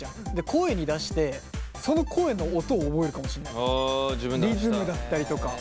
声に出してその声の音を覚えるかもしれない。